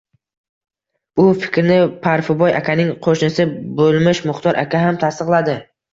Bu fikrni Parfiboy akaning qo’shnisi bo’lmish Muxtor aka ham tasdiqladi.